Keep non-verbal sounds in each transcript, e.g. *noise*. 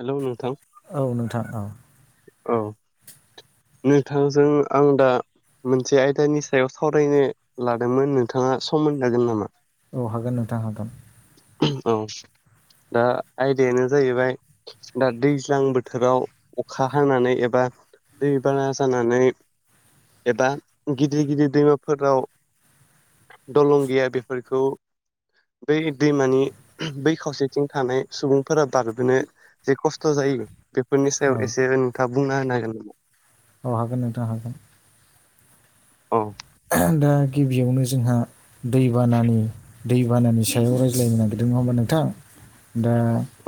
Hello नोंथां औ नोंथां औ। औ नोंथांजों आं दा मोनसे आयदानि सायाव सावरायनो लादोंमोन नोंथाङा सम होनो हागोन नामा? औ हागोन नोंथां हागोन। औ। दा आयदायानो जाहैबाय दा दैज्लां बोथोराव अखा हानानै एबा दै बाना जानानै एबा गिदिर-गिदिर दैमाफोराव दलं गैया बेफोरखौ बै दैमानि बै खावसेथिं थानाय सुबुंफोरा बारबोनो जे खस्थ' जायो बेफोरनि सायाव एसे नोंथाङा बुंना होनो हागोन नामा? अ हागोन नोंथां हागोन। औ दा गिबियावनो जोंहा दैबानानि दैबानानि सायाव रायज्लायनो नागिरदों नङा होमबा नोंथां दा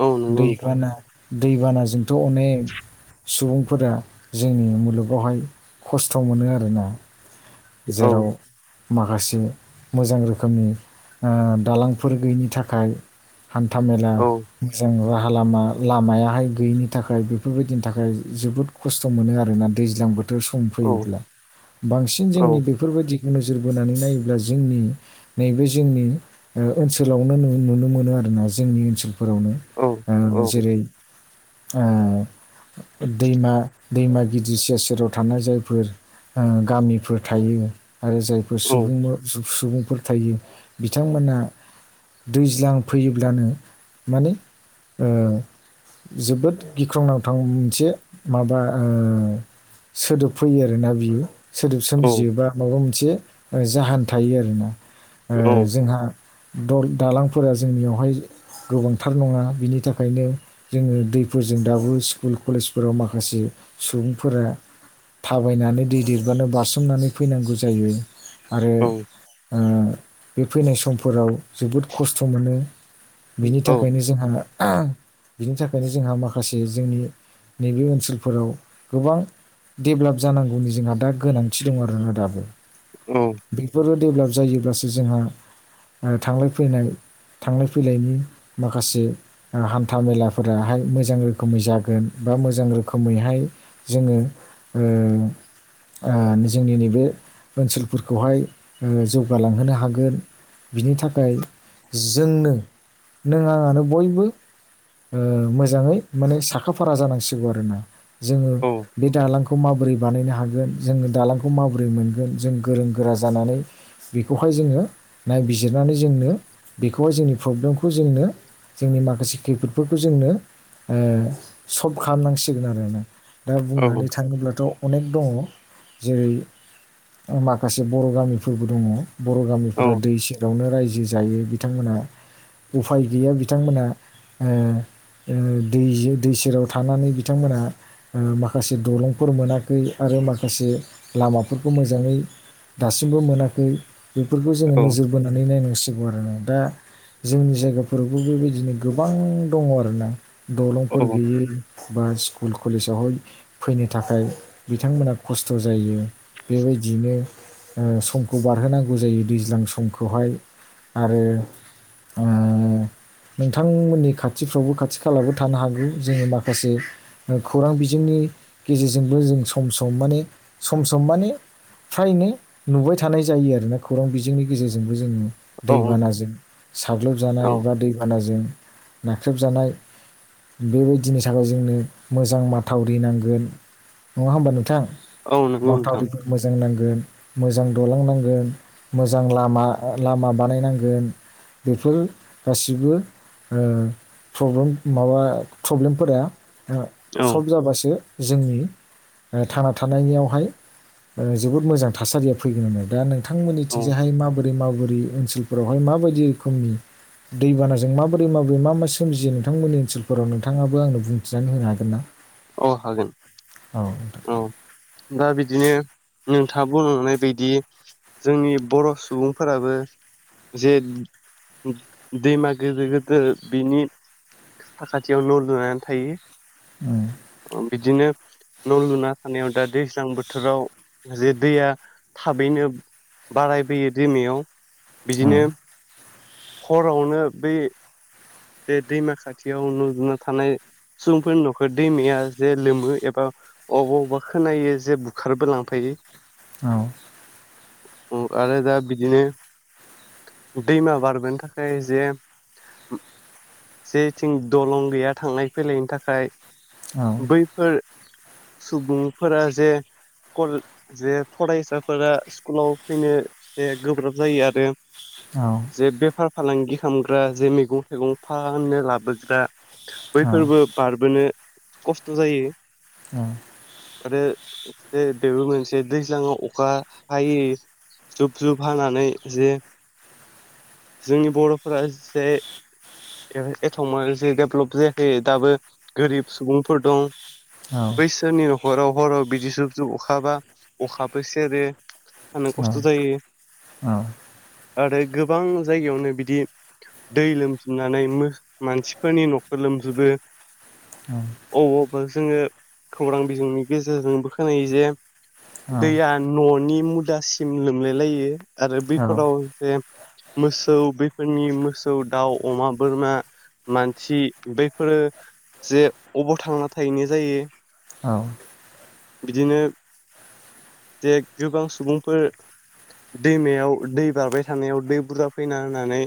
औ नंगौ नोंथां दैबाना दैबानाजोंथ' अनेक सुबुंफोरा जोंनि मुलुगावहाय खस्थ' मोनो आरोना औ जेराव माखासे मोजां रोखोमनि ओ दालांफोर गैयिनि थाखाय हान्था मेला औ मोजां नङा राहालामा लामायाहाय गैयिनि थाखाय बेफोरबायदिनि थाखाय जोबोद खस्थ' मोनो आरोना दैज्लां बोथो र ओ सम औ फैयोब्ला बांसिन औ जोंनि बेफोरबायदिखौ नोजोर बोनानै नायोब्ला जोंनि नैबे जोंनि ओ ओनसोलावनो नुनो नुनो मोनो आरोना जोंनि ओनसोलफोरावनो औ ओ औ जेरै ओ दैमा दैमा गिदिर सेर सेराव थानाय जायफोर ओ गामिफोर थायो आरो जायफोर औ सुबुं सु-सुबुंफोर थायो बिथांमोना दैज्लां फैयोब्लानो माने ओ जोबोद गिख्रंनांथाव मोनसे माबा ओ सोदोब फैयो आरोना बियो सोद औ सोमजियोबा माबा मोनसे ओ जाहोन थायो आरोना ओ औ जोंहा दल दालांफोरा जोंनियावहाय गोबांथार नङा बिनि थाखायनो जोङो दैफोरजों दाबो स्कुल कलेजफोराव माखासे सुबुंफोरा थाबायनानै दै देरबानो बास नानै फैनांगौ जायो आरो औ ओ बे फैनाय समफोराव जोबोद खस्थ' मोनो बेनि औ थाखायनो जोंहा आ बिनि थाखायनो जोंहा माखासे जोंनि नैबे ओनसोलफोराव गोबां डेभलप जानांगौनि जोंहा दा गोनांथि दं आरोना दाबो बेफोरो डेभलप जायोब्लासो जोंहा ओ थांलाय फैलाय थांलाय फैलायनि माखासे ओ हान्था मेलाफोराहाय मोजां रोखोमै जागोन बा मोजां रोखोमैहाय जोङो ओ-ओ जोंनि नैबे ओनसोलफोरखौहाय ओ जौगालांहोनो हागोन बिनि थाखाय जों नों-नों आंङानो बयबो ओ मोजाङै माने साखा फारा जानांसिगौ आरोना जोङो औ बे दालांखौ माबोरै बानायनो हागोन जोनो दालां खौ माबोरै मोनगोन जों गोरों गोरा जानानै बेखौहाय जोङो नायबिजिरनानै जोंनो बेखौहाय जोंनि प्रब्लेमखौ जोंनो जोंनि माखासे खैफोदफोरखौ जोंनो ओ सल्भ खालामनांसिगोन आरोना दा औ बुंनानै थाङोब्लाथ' अनेक दङ जेरै ओ माखासे बर' गामिफोरबो दङ बर' गामिफोरा दै औ सेरावनो रायजो जो जायो बिथांमोना उफाय गैया बिथांमोना ओ ओ दै जिं दै सेराव थानानै बिथांमोना ओ माखासे दलंफोर मोनाखै आरो ओ माखासे लामाफोरखौ मोजाङै दासिमबो मोनाखै बेफोरखौ जोङो नोजोर बोनानै नायनांसिगौ आरो ना दा जोंनि जायगाफोरावबो बेबायदिनो गोबां दङ आरोना दलंफोर गैयै बा स्कुल कलेजावहाय फैनो थाखाय बिथांमोना खस्थ' जायो जायो बेबायदिनो ओ समखौ बारहोनांगौ जायो दैज्लां समखौहाय आरो ओ नोंथांमोननि खाथिफ्रावबो खाथि खालाबो थानो हागौ जोङो माखासे ओ खौरां बिजोंनि गेजेरजोंबो जों सम सम माने सम सम माने फ्रायनो नुबाय थानाय जायो आरोना खौरां बिजोंनि गेजेरजोंबो जोङो औ दैबानाजों साग्लोबजानाय बा दैबानाजों नाख्रेबजानाय बेबायदिनि थाखाय जोंनो मोजां माथावरि नांगोन नङा होमबा नोंथां। औ नंगौ नोंथां मावथावरिफोर मोजां नांगोन मोजां दालां नांगोन मोजां लामा ओ लामा बानायनांगोन। बेफोर गासिबो ओ प्रब्लेम माबा प्रब्लेमफोरा ओ औ सल्भ जाबासो जोंनि ओ थांना थानायनियावहाय ओ जोबोद मोजां थासारिया फैगोन होनदों दा औ नोंथांमोननिथिंजाहाय माबोरै माबोरै ओनसोलफोरावहाय मा माबायदि रोखोमनि दैबानाजों माबोरै माबोरै मा मा सोमजियो नोंथांमोननि ओनसोलफोराव नोंथाङाबो आंनो बुंथिनानै होनो हागोन ना? औ हागोन औ नोंथां औ दा बिदिनो नोंथाङा बुंनाय बायदि जोंनि बर' सुबुंफोराबो जे दैमा गोदो गोदो बिनि साखाथियाव न' लुनानै थायो। बिदिनो न' लुना थानायाव दा दैज्लां बोथोराव जे दैया थाबैनो बारायबोयो दैमायाव औ बिदिनो। हरावनो बै बे दैमा खाथियाव थानाय। सुबुंफोरनि न'खर दैमाया जे लोमो एबा अबा अबेबा खोनायो जे बुखारबो लांफायो। औ। आरो दा बिदिनो दैमा बारबोनो थाखाय जे जेथिं दलं गैया थांलाय फैलायनि थाखाय औ बैफोर सुबुंफोरा जे कल जे फरायसाफोरा स्कुलाव फैनो जे गोब्राब जायो आरो औ। जे बेफार फालांगि खालामग्रा जे मैगं थाइगं फाननो लाबोग्रा औ बैफोरबो बारबोनो खस्थ' जायो। आरो बेबो मोनसे दैज्लाङाव अखा हायै जुब जुब हानानै जे। जोंनि बर'फोरा एसे एथबां जों डेभलप जायाखै दाबो गोरिब सुबुंफोर दं बैसोरनि न'खराव हराव बिदि जुब जुब अखाबा अखाबो सेरो। थानो खस्थ' जायो। आरो गोबां जायगायावनो बिदि दै लोमसाव नानै मानसिफोरनि न'खर लोमजोबो। अबावबा जोंओ खौरां बिजोंनि गेजेरजोंबो खोनायो जे। दैया न'नि मुदासिम लोमलाय लायो आरो बैफोराव जे मोसौ बेफोरनि मोसौ दाउ अमा बोरमा मानसि बैफोरो जे अबाव थांना थाहैनाय जायो। औ। बिदिनो जे गोबां सुबुंफोर दैमायाव दै बारबाय थानायाव दै बुरजा फैना होननानै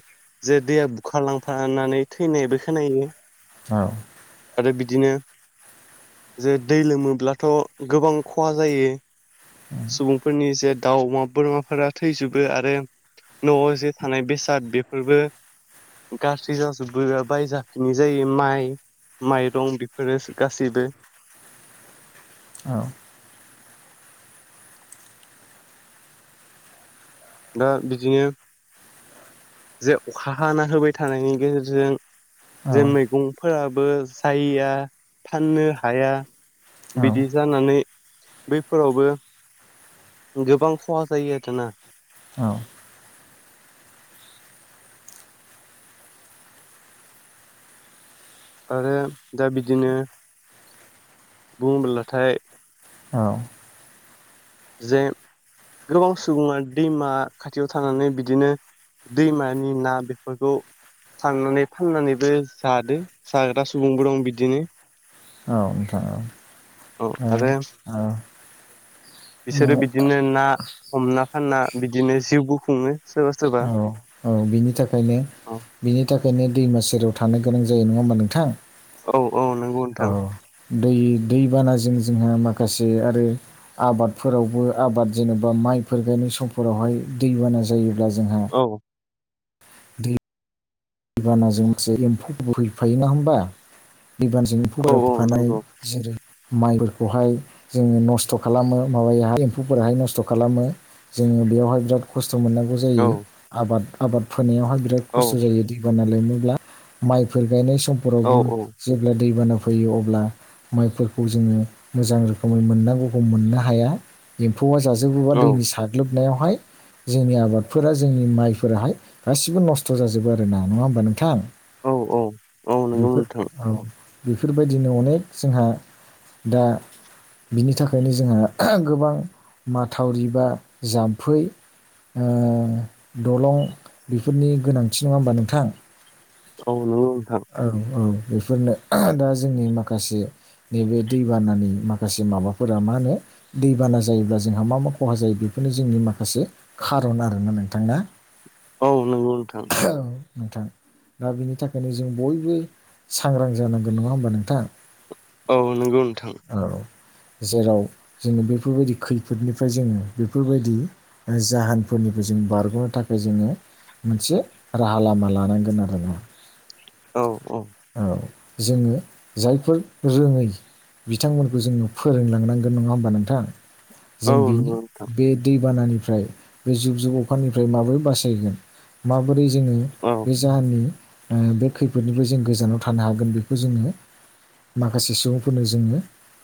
जे दैया बुखार लांफानानै थैनायबो खोनायो आरो बिदिनो। जे दै लोमोब्लाथ' गोबां खहा जायो। सुबुंफोरनि जे दाउ अमा बोरमाफोरा थैजोबो आरो न'आव जे थानाय बेसाद बेफोरबो गाज्रि जाजोबबो बाहायजाफिनि जायो माइ माइरं बेफोरो गासैबो। औ। दा बिदिनो। जे अखा हाना होबाय थानायनि गेजेरजों। जों मैगंफोराबो जाया फाननो हाया। बिदि जानानै। बैफोरावबो गोबां खहा जायो आरोना। आरो दा बिदिनो। बुङोब्लाथाय। औ। जे गोबां सुबुङा दैमा खाथियाव थानानै बिदिनो दैमानि ना बेफोरखौ- थांनानै फाननानैबो जादो, जाग्रा सुबुंबो दं बिदिनो। औ नोंथां औ ओ ओ बिसोरो बिदिनो ना हमना फानना, बिदिनो जिउबो खुङो सोरबा सोरबा। औ औ बिनि थाखायनो, औ बिनि थाखायनो दैमा सेराव थानो गोनां जायो नङा होमबा नोंथां? औ औ नोंगौ औ नोंथां। दै दैबानाजों जोंहा माखासे आरो आबादफोरावबो आबाद जेनेबा माइफोर गायनाय समफोरावहाय दैबाना जायोब्ला जोंहा औ दैबानाजों माखसे एम्फौ बोहैफायोना होमबा दैबानजों औ औ रोबफानाय नंगौ जेरै माइफोरखौहाय जोङो नस्थ' खालामो माबायाहाय एम्फौफोरहाय नस्थ' खालामो। जोङो बेयावहाय बिराद खस्थ' मोननांगौ औ जायो, आबाद, आबाद फोनायावहाय बिराद औ खस्थ' जायो। नोब्ला माइफोर गायनाय औ समफोरावबो औ जेब्ला दैबाना फैयो अब्ला माइफोरखौ जोङो मोजां रोखोमै मोननांगौखौ मोननो हाया। फौवा जाजोबोबा औ दैनि साग्लोबनायावहाय जोंनि आबादफोरा जोंनि माइफोराहाय गासिबो नस्थ' जाजोबो आरोोना नङा होमबा नोंथां? औ औ औ नंगौ बेफोर नोंथां औ बेफोरबायदिनो अनेक जोंहा दा बिनि थाखायनो जोंहा, गोबां माथावरि बा जाम्फै ओ-दलं बेफोरनि गोनांथि नङा होमबा नोंथां? औ नंगौ नोंथां। औ औ बेफोरनो आहा-दा जोंनि माखासे नैबे दैबानानि माखासे माबाफोरा, मा होनो दैबाना जायोब्ला जोंहा मा मा खहा जायो बे बे जोंनि माखासे खारन आरोना नोंथां ना औ नंग औ नोंथां दा बिनि थाखायनो जों बयबो सांग्रां जानांगोन नङा होमबा नोंथां? औ नंगौ नोंथां। औ जेराव जोङो बेफोरबायदि खैफोदनिफ्राय जोङो बेफोरबायदि जाहोनफोरनिफ्राय जों बारग'नो थाखाय जोङो मोनसे राहा लामा लानांगोन आरोना। औ उम औ जोङो जायफोर रोङै बिथांमोनखौ जोङो फोरोंलांनांगोन नङा होमबा नोंथां औ जों बिनि नंगौ नोंथां बे दै बानानिफ्राय बे जुब जुब अखानिफ्राय माबोरै बासायगोन माबोरै जों जोङो औ बे जाहोननि ओ- बे खैफोदनिफ्राय जों गोजानाव थानो हागोन बेखौ जोङो माखासे सुबुंफोरनो जोङो,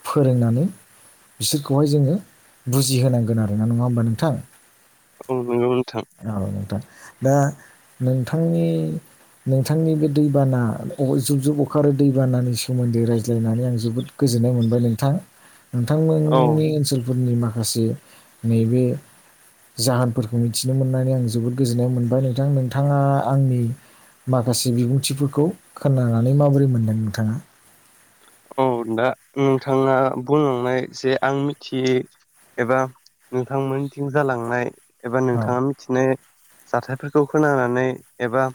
फोरोंनानै बिसोरखौहाय जोङो बुजिहोनांगोन आरोना नङा हबा नोंथां? औ नंगौ नोंथां औ नोंथां दा नोंथांनि नोंथांनि बे दैबाना अ-जुब जुब अखा आरो दैबानानि सोमोन्दै रायज्ला ज्लायनानै आं जोबोद गोजोननाय मोनबाय नोंथां औ नोंथांमोननि ओनसोलफोरनि मा माखासे नैबे जाहोनफोरखौ मिथिनो मोननानै आं जोबोद गोजोननाय मोनबाय नोंथां नोंथाङा आंनि माखासे बिबुंथिफोरखौ खोनानानै माबोरै मोनदों नोंथाङा? औ दा नोंथाङा बुंलांनाय जे आं मिथियै एबा नोंथांमोनिथिं जालांनाय एबा नोंथाङा औ मिथिनाय, जाथाय फोर खौ खोनानानै एबा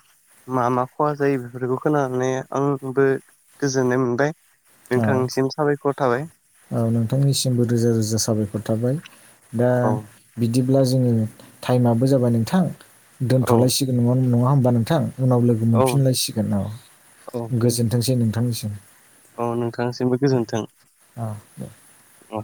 मा मा खहा जायो बेफोरखौ खोनानानै आंबो गोजोननाय मोनबाय। औ नोंथांनिसिम साबायखर था औ नोंथांनिसिमबो रोजा रोजा साबायखर थाबाय दा औ बि दिब्ला जोङो टाइमाबबो जाबाय नोंथां औ दोनथ'लायसिगोन न नङा होमबा नोंथां उनाव लोगो औ मोनफिनलायसिगोन औ गोजोनथोंसै नोंथांनिसिम अ नोंथांनिसिमबो गोजोन्थों *inaudible* औ